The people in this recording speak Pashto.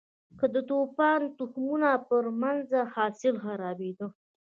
که توپان تخمونه پرې منځي، حاصل خرابېده.